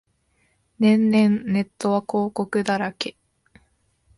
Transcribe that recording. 年々ネットは広告だらけ